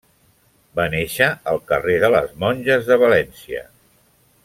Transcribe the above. Va néixer al carrer de les Monges de València.